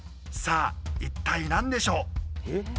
さあ一体何でしょう？え？